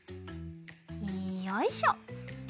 よいしょ！